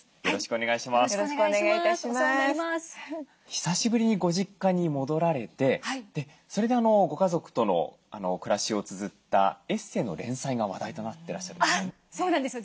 久しぶりにご実家に戻られてそれでご家族との暮らしをつづったエッセーの連載が話題となってらっしゃるんですよね。